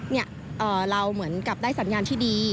เนี่ยเราเหมือนกับได้สัญญาณที่ดี